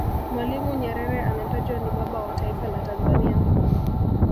mwalimu nyerere anatajwa ni baba wa taifa la tanzania